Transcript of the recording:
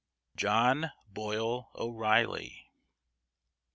JOHN BOYLE O'REILLY.